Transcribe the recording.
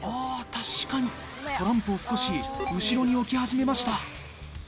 確かにトランプを少し後ろに置き始めました。